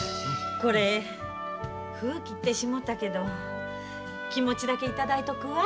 これ封切ってしもうたけど気持ちだけ頂いとくわ。